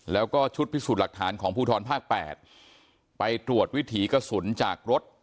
แล้วก็ชุดพิสูจน์หลักฐานของภูทรภาค๘ไปตรวจวิถีกระสุนจากรถ